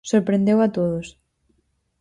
Sorprendeu a todos.